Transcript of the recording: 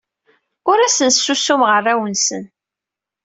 Ur asen-ssusumeɣ arraw-nsen.